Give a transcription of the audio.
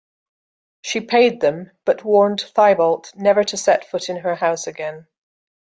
She paid them but warned Thibault never to set foot in her house again.